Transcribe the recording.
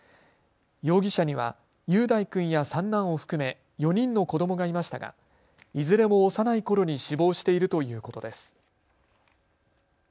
容疑者には雄大君や三男を含め４人の子どもがいましたがいずれも幼いころに死亡しているということです。